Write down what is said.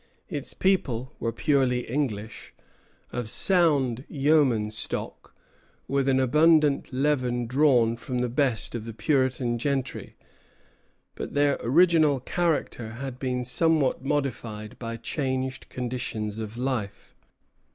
Its people were purely English, of sound yeoman stock, with an abundant leaven drawn from the best of the Puritan gentry; but their original character had been somewhat modified by changed conditions of life.